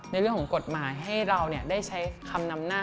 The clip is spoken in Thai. ในเรื่องของกฎหมายให้เราได้ใช้คำนำหน้า